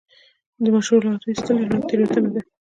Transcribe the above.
د مشهورو لغتونو ایستل لویه تېروتنه ده.